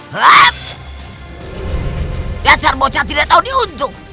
biasa bocah tidak tahu diuntung